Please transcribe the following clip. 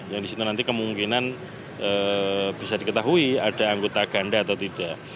yang disitu nanti kemungkinan bisa diketahui ada anggota ganda atau tidak